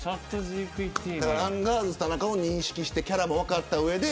アンガールズ田中も認識してキャラも分かった上で。